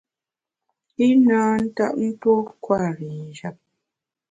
I na ntap tuo kwer i njap.